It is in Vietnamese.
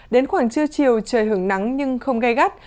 đến khoảng trưa chiều trời hưởng nắng nhưng không gây gắt